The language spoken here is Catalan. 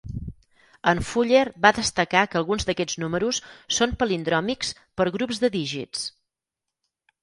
En Fuller va destacar que alguns d'aquests números són palindròmics per grups de dígits.